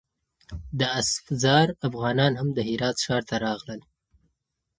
د اسفزار افغانان هم د هرات ښار ته راغلل.